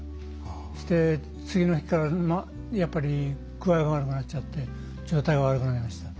そして、次の日からやっぱり具合が悪くなっちゃって状態が悪くなりました。